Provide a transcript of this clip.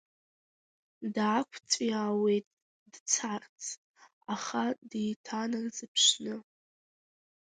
Даақәҵәиаауеит дцарц, аха деиҭанарзыԥшны.